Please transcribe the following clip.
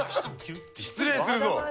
失礼するぞ。